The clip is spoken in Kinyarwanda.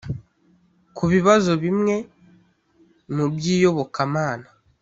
ku bibazo bimwe mu byiyobokamana